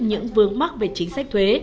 những vướng mắc về chính sách thuế